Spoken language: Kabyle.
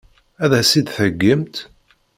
Ad as-t-id-theggimt?